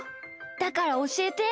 だからおしえて。